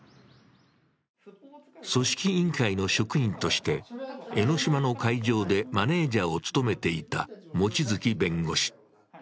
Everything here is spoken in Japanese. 組織委員会の職員として、江の島の会場でマネージャーを務めていた望月弁護士。